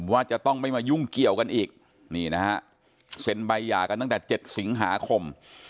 ว่าจะต้องไม่มายุ่งเกี่ยวกันอีกนี่นะฮะเซ็นใบหย่ากันตั้งแต่๗สิงหาคม